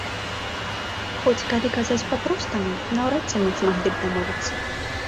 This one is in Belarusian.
Хоць калі казаць па-простаму, наўрад ці мы змаглі б дамовіцца.